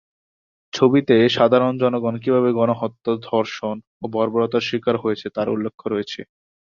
ছবিটিতে সাধারণ জনগণ কিভাবে গণহত্যা, ধর্ষণ ও বর্বরতার শিকার হয়েছে তার উল্লেখ রয়েছে।